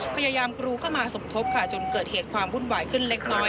พยายามกรูเข้ามาสมทบค่ะจนเกิดเหตุความวุ่นวายขึ้นเล็กน้อย